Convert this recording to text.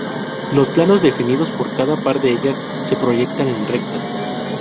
Los planos definidos por cada par de ellas se proyectan en rectas.